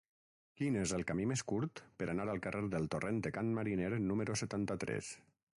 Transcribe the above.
Quin és el camí més curt per anar al carrer del Torrent de Can Mariner número setanta-tres?